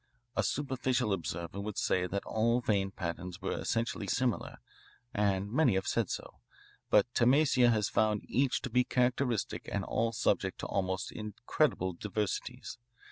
A superficial observer would say that all vein patterns were essentially similar, and many have said so, but Tamassia has found each to be characteristic and all subject to almost incredible diversities.